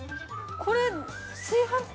◆これ炊飯器？